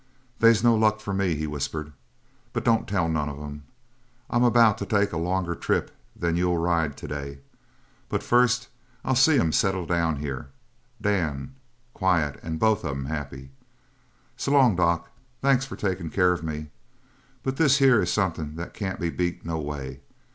"They's no luck for me," he whispered, "but don't tell none of 'em. I'm about to take a longer trip than you'll ride to day. But first I'll see 'em settled down here Dan quiet and both of 'em happy. S'long, doc thanks for takin' care of me. But this here is something that can't be beat no way.